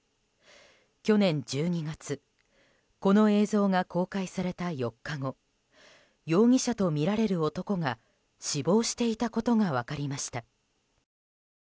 去年１２月、この映像が公開された４日後容疑者とみられる男が死亡していたことが分かりました。